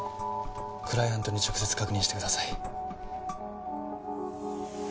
クライアントに直接確認してください。